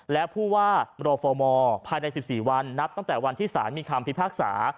และผู้ว่ามรฟมภายใน๑๔วันนับตั้งแต่วันที่สารมีคำพิพากษา